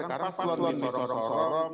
sekarang pas luar luar disorong sorong